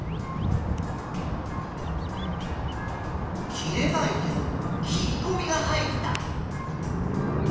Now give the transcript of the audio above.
切れないけど切りこみが入った。